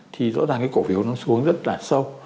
thì rõ ràng cái cổ phiếu nó xuống rất là sâu